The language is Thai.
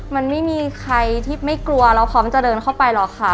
มันไม่มีใครที่ไม่กลัวเราพร้อมจะเดินเข้าไปหรอกค่ะ